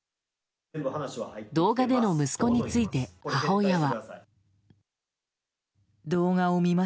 動画での息子について母親は。